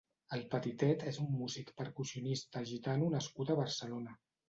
El Petitet és un músic percussionista gitano nascut a Barcelona.